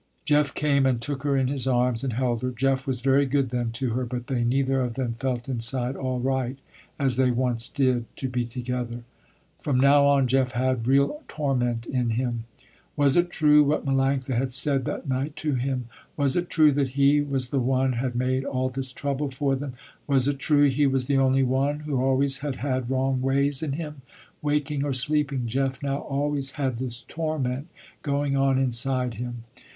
Jeff came and took her in his arms, and held her. Jeff was very good then to her, but they neither of them felt inside all right, as they once did, to be together. From now on, Jeff had real torment in him. Was it true what Melanctha had said that night to him? Was it true that he was the one had made all this trouble for them? Was it true, he was the only one, who always had had wrong ways in him? Waking or sleeping Jeff now always had this torment going on inside him.